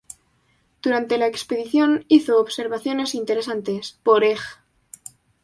Durante la expedición hizo observaciones interesantes; por ej.